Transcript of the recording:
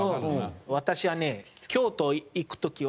私はね。